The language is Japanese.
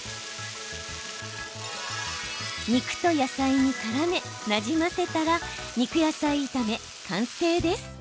肉と野菜にからめ、なじませたら肉野菜炒め完成です。